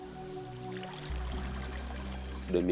dhaifar jalur jaliang jaman ia tiongkok indonesia